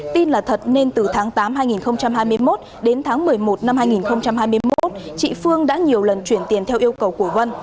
tin là thật nên từ tháng tám hai nghìn hai mươi một đến tháng một mươi một năm hai nghìn hai mươi một chị phương đã nhiều lần chuyển tiền theo yêu cầu của vân